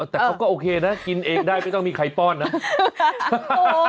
แต่เขาก็โอเคนะกินเองได้ไม่ต้องมีใครป้อนนะ